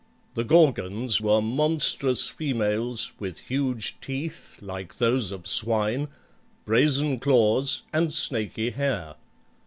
The Gorgons were monstrous females with huge teeth like those of swine, brazen claws, and snaky hair.